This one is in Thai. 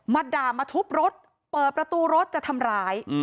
มาด่ามาทุบรถเปิดประตูรถจะทำร้าย